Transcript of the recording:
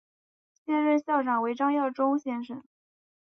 现任校长为张耀忠先生。